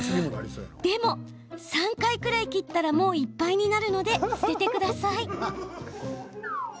でも３回くらい切ったらもう、いっぱいになるので捨ててください。